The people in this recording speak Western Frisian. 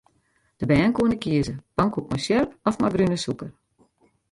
De bern koene kieze: pankoek mei sjerp of mei brune sûker.